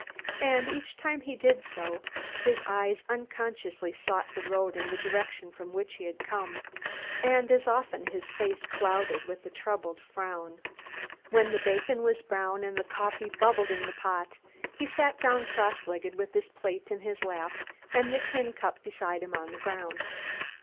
And each time he did so, his eyes unconsciously sought the road in the direction from which he had come, and as often his face clouded with a troubled frown. When the bacon was brown and the coffee bubbled in the pot, he sat down crosslegged with his plate in his lap and the tin cup beside him on the ground.